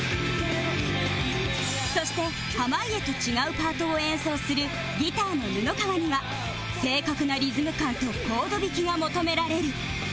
そして濱家と違うパートを演奏するギターの布川には正確なリズム感とコード弾きが求められる